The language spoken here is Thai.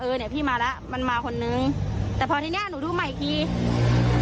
เนี้ยพี่มาแล้วมันมาคนนึงแต่พอทีเนี้ยหนูดูใหม่อีกที